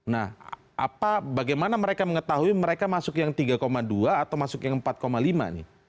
nah apa bagaimana mereka mengetahui mereka masuk yang tiga dua atau masuk yang empat lima nih